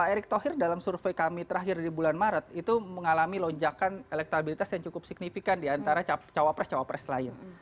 pak erick thohir dalam survei kami terakhir di bulan maret itu mengalami lonjakan elektabilitas yang cukup signifikan diantara cawapres cawapres lain